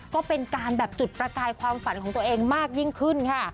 ก็เป็นการแบบจุดประกายความฝันของตัวเองมากยิ่งขึ้นค่ะ